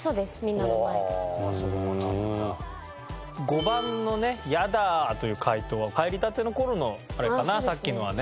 ５番のね「やだあ」という回答は入りたての頃のあれかなさっきのはね。